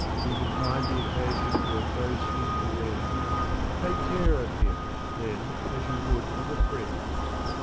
You can find the occasion your foe's skin to rend ; Take care of him ! then, as you would of a friend.